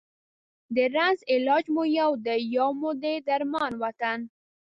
د رنځ علاج مو یو دی، یو مو دی درمان وطنه